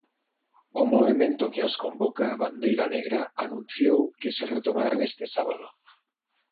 O movemento que as convoca, Bandeira Negra, anunciou que se retomarán este sábado.